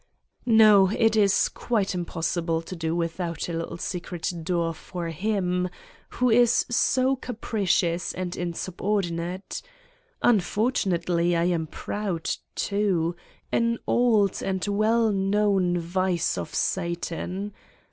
... no, it is quite impossible to do without a little secret door for Mm who is so capricious and insubordinate! Unfortunately, I am proud, too, an old and well known vice of Satan